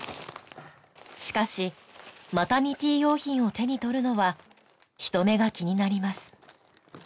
しかしマタニティー用品を手に取るのは人目が気になります